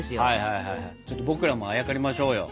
ちょっと僕らもあやかりましょうよ。